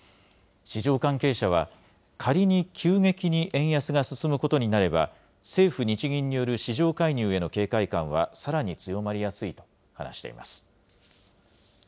市場関係者は、仮に急激に円安が進むことになれば、政府・日銀による市場介入への警戒感はさらに強まりやすいと話しています。